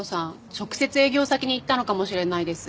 直接営業先に行ったのかもしれないです。